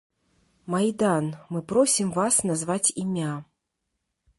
Майдан, мы просім вас назваць імя.